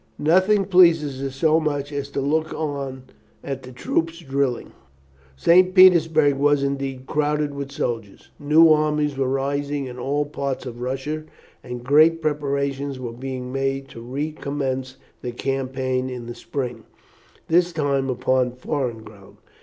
"Nothing pleases her so much as to look on at the troops drilling." St. Petersburg was indeed crowded with soldiers. New armies were rising in all parts of Russia, and great preparations were being made to recommence the campaign in the spring, this time upon foreign ground.